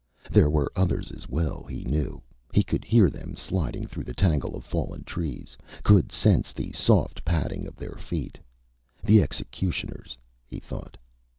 There were others as well, he knew. He could hear them sliding through the tangle of fallen trees, could sense the soft padding of their feet. The executioners, he thought.